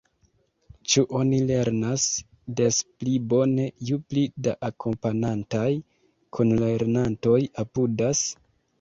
Ĉu oni lernas des pli bone, ju pli da akompanantaj kunlernantoj apudas?